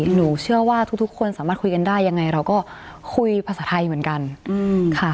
หนูเชื่อว่าทุกคนสามารถคุยกันได้ยังไงเราก็คุยภาษาไทยเหมือนกันค่ะ